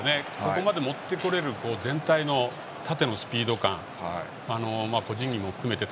ここまで持ってこられる全体の縦のスピード感個人技も含めて。